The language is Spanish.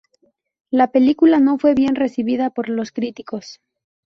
La película no fue bien recibida por los críticos.